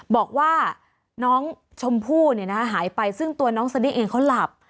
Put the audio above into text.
บอกว่าน้องชมพู่หายไปซึ่งตัวน้องสดิ้งเองเขาหลับ